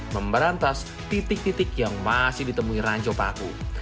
memberantas titik titik yang masih ditemui ranjau paku